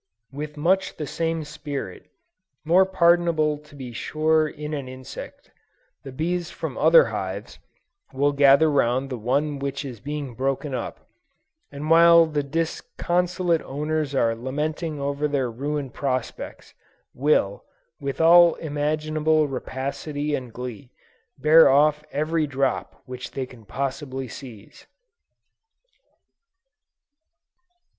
With much the same spirit, more pardonable to be sure in an insect, the bees from other hives, will gather round the one which is being broken up, and while the disconsolate owners are lamenting over their ruined prospects, will, with all imaginable rapacity and glee, bear off every drop which they can possibly seize.